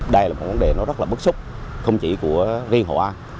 đây là một vấn đề rất bất xúc không chỉ của riêng hộ an